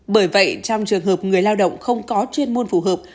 bởi vậy trong trường hợp người lao động không có chuyên môn phù hợp